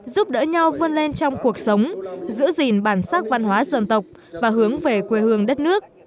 giúp đỡ nhau vươn lên trong cuộc sống giữ gìn bản sắc văn hóa dân tộc và hướng về quê hương đất nước